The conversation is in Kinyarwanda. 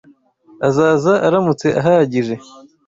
Azaza aramutse ahagije.